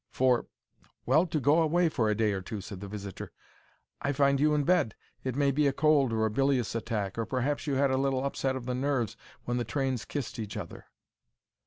"For—well, to go away for a day or two," said the visitor. "I find you in bed; it may be a cold or a bilious attack; or perhaps you had a little upset of the nerves when the trains kissed each other."